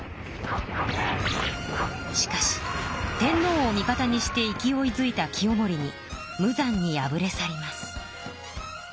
しかし天のうを味方にして勢いづいた清盛に無残に敗れ去ります。